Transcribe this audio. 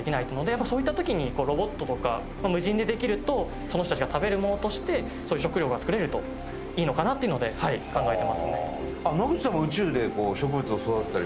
やっぱりそういった時にロボットとか無人でできるとその人たちが食べるものとしてそういう食料が作れるといいのかなっていうので考えていますね。